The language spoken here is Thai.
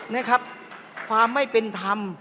นะครับความไม่เป็นธรรม